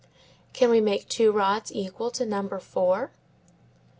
Can we make two rods equal to number four?